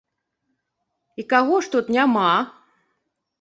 І каго ж тут няма?